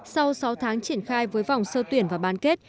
sau sáu tháng triển khai với vòng sơ tuyển và bán kết